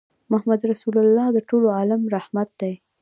محمدُ رَّسول الله د ټول عالم لپاره رحمت دی